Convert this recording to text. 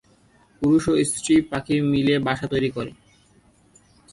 পুরুষ ও স্ত্রী পাখি মিলে বাসা তৈরী করে।